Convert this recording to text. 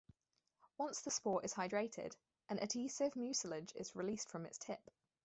Once the spore is hydrated, an adhesive mucilage is released from its tip.